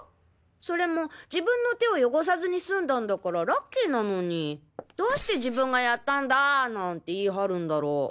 それも自分の手を汚さずに済んだんだからラッキーなのにどうして自分がやったんだ！なんて言い張るんだろう？